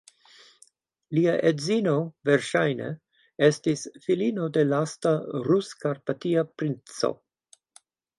Lia edzino, verŝajne, estis filino de lasta Rus-karpatia princo.